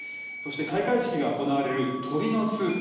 そして開会式が行われる鳥の巣